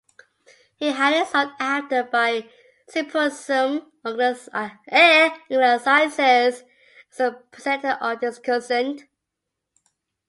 He highly sought after by symposium organizers as a presenter or discussant.